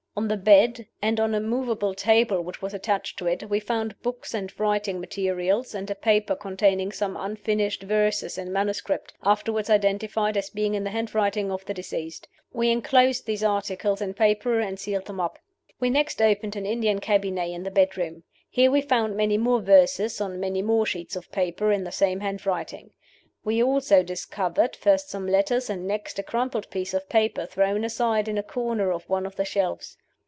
On the bed, and on a movable table which was attached to it, we found books and writing materials, and a paper containing some unfinished verses in manuscript, afterward identified as being in the handwriting of the deceased. We inclosed these articles in paper, and sealed them up. "We next opened an Indian cabinet in the bedroom. Here we found many more verses on many more sheets of paper in the same hand writing. We also discovered, first some letters, and next a crumpled piece of paper thrown aside in a corner of one of the shelves.